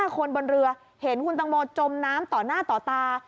คนบนเรือเห็นคุณตังโมจมน้ำต่อหน้าต่อตา